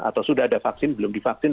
atau sudah ada vaksin belum divaksin